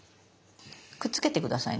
くっつけて下さいね